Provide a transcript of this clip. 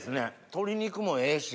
鶏肉もええし。